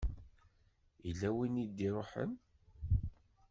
Yella win i d-iṛuḥen?